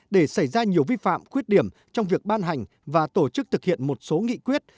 để xảy ra nhiều vi phạm khuyết điểm trong việc ban hành và tổ chức thực hiện một số nghị quyết